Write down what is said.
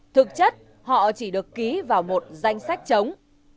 thực chất họ chỉ được ký vào một danh sách chống